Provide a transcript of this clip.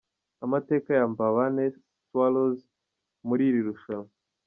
Amateka ya Mbabane Swallows muri iri rushanwa :